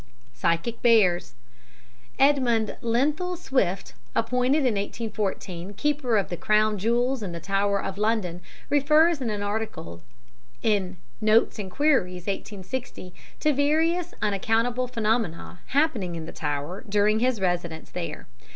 Psychic Bears Edmund Lenthal Swifte, appointed in 1814 Keeper of the Crown Jewels in the Tower of London, refers in an article in Notes and Queries, 1860, to various unaccountable phenomena happening in the Tower during his residence there.